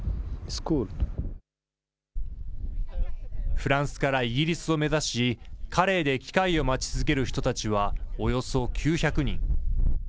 フランスからイギリスを目指し、カレーで機会を待ち続ける人たちはおよそ９００人。